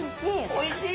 おいしい。